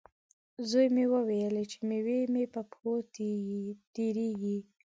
زوی مې وویلې، چې میوه مې په پښو تېرېږي.